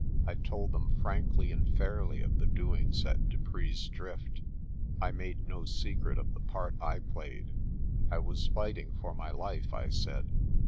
I told them frankly and fairly of the doings at Dupree's Drift. I made no secret of the part I played. "I was fighting for my life," I said.